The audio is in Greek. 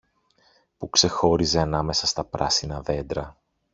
που ξεχώριζε ανάμεσα στα πράσινα δέντρα.